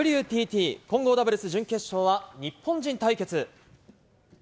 混合ダブルス準決勝は、日本人対決。